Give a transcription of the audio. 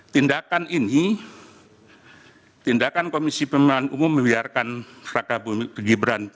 tindakan ini tindakan komisi pemilihan umum membiarkan raka bumi gibran